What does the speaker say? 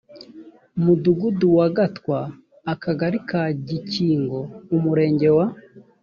mudugudu wa gatwa akagali ka gikingo umurenge